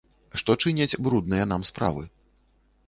Што чыняць брудныя нам справы.